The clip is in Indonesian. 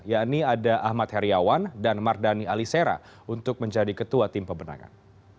yakni ada ahmad heriawan dan mardani alisera untuk menjadi ketua tim pemenangan